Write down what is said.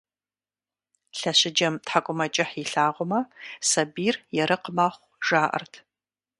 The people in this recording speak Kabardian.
Лъэщыджэм тхьэкӀумэкӀыхь илъагъумэ, сабийр ерыкъ мэхъу, жаӀэрт.